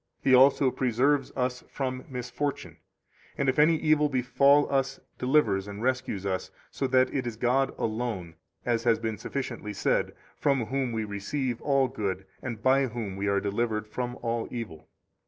He also preserves us from misfortune, and if any evil befall us, delivers and rescues us, so that it is God alone (as has been sufficiently said) from whom we receive all good, and by whom 25 we are delivered from all evil.